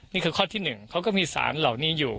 นี่คือข้อที่๑เขาก็มีสารเหล่านี้อยู่